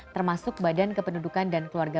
termasuk badan kependudukan dan keluarga